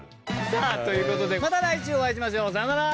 さあという事でまた来週お会いしましょう。さようなら。